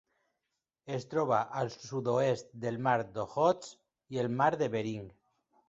Es troba al sud-oest del mar d'Okhotsk i el mar de Bering.